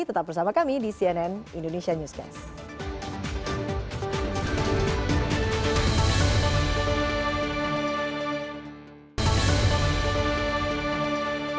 tetap bersama kami di cnn indonesia newscast